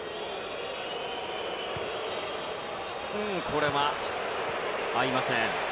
これは合いません。